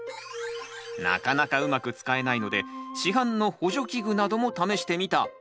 なかなかうまく使えないので市販の補助器具なども試してみた。